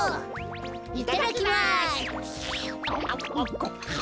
いただきます！